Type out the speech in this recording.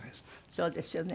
そうですよね。